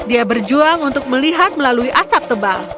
dia berjuang untuk melihat melalui asap tebal